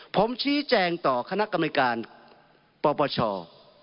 ผมชี้แจงต่อคณะกรรมการปปช